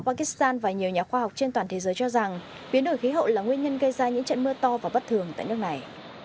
pakistan và nhiều nhà khoa học trên toàn thế giới cho rằng biến đổi khí hậu là nguyên nhân gây ra những trận mưa to và bất thường tại nước này